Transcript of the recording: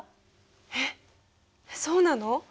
えっそうなの？